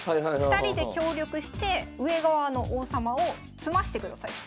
２人で協力して上側の王様を詰ましてください。